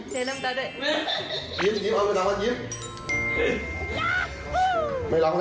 เจ๊น้ำตาด้วย